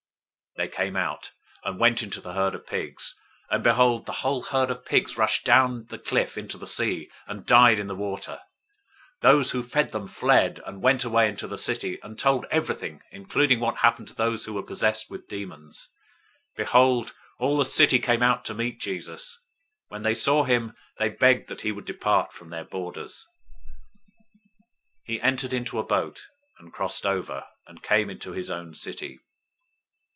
They came out, and went into the herd of pigs: and behold, the whole herd of pigs rushed down the cliff into the sea, and died in the water. 008:033 Those who fed them fled, and went away into the city, and told everything, including what happened to those who were possessed with demons. 008:034 Behold, all the city came out to meet Jesus. When they saw him, they begged that he would depart from their borders. 009:001 He entered into a boat, and crossed over, and came into his own city.